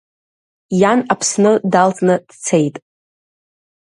Иан Аԥсны далҵны дцеит.